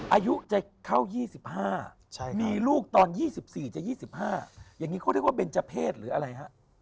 อายุจะเข้า๒๕มีลูกตอน๒๔จะ๒๕อย่างนี้เขาเรียกว่าเบนเจอร์เพศหรืออะไรฮะ